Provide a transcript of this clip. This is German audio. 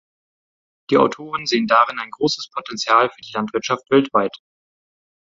Die Autoren sehen darin ein großes Potential für die Landwirtschaft weltweit.